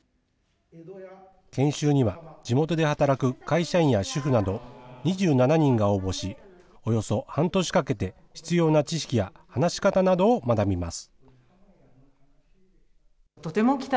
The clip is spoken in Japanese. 研修には、地元で働く会社員や主婦など２７人が応募し、およそ半年かけて、必要な知識や話し方などを学びます。